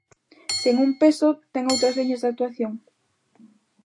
Sen Un Peso ten outras liñas de actuación?